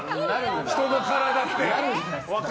人の体って。